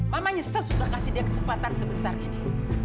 mama nyesel sudah kasih dia kesempatan sebesar ini